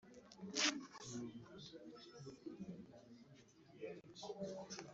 igihe amwonkeje atarafashe imiti igabanya ubukana bw agakoko gatera sida